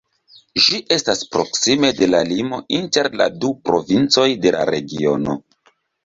Ĝi estas proksime de la limo inter la du provincoj de la regiono.